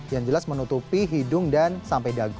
yang jelas menutupi hidung dan sampai dagu